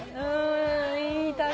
いい旅だ。